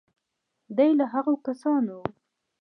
دی له هغو کسانو و.